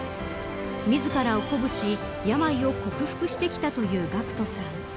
自らを鼓舞し、病を克服してきたというＧＡＣＫＴさん。